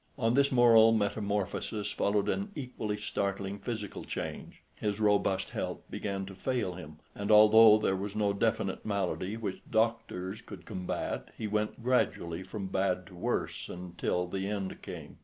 On this moral metamorphosis followed an equally startling physical change. His robust health began to fail him, and although there was no definite malady which doctors could combat, he went gradually from bad to worse until the end came.